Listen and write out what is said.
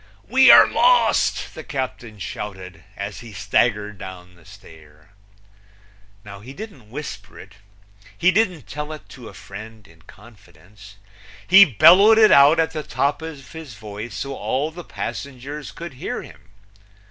"We are lost!" the captain shouted, As he staggered down the stair. He didn't whisper it; he didn't tell it to a friend in confidence; he bellowed it out at the top of his voice so all the passengers could hear him.